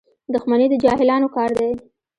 • دښمني د جاهلانو کار دی.